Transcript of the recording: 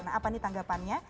nah apa nih tanggapannya